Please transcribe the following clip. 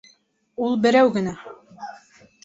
Ул берәү генә.